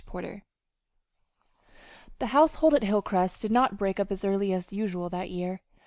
CHAPTER XXXI The household at Hilcrest did not break up as early as usual that year.